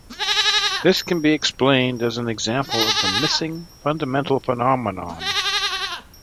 This can be explained as an example of the missing fundamental phenomenon.